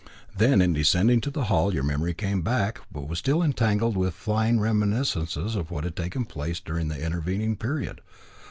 Then, in descending to the hall, your memory came back, but was still entangled with flying reminiscences of what had taken place during the intervening period.